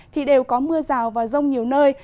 thì đều có mưa rào và rông nhiều nơi